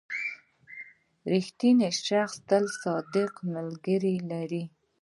• رښتینی شخص تل صادق ملګري لري.